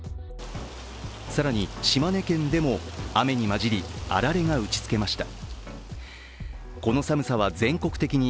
更に、島根県でも雨に交じりあられが打ちつけました。